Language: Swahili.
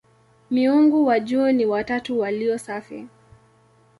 Miungu wa juu ni "watatu walio safi".